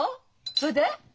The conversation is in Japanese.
それで？